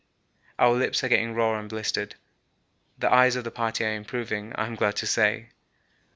Our lips are getting raw and blistered. The eyes of the party are improving, I am glad to say.